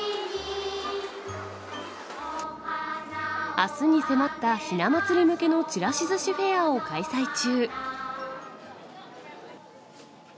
あすに迫ったひな祭り向けのちらしずしフェアを開催中。